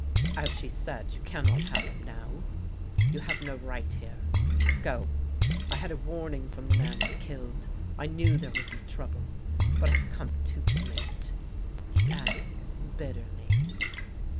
" As she said, you cannot have him now. You have no right here. Go. I had a warning from the man he killed. I knew there would be trouble. But I have come too late! " he added bitterly.